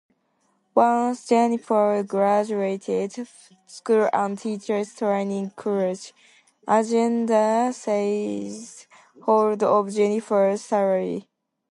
Once Jennifer graduated school and teachers' training college, Agatha seized hold of Jennifer's salary.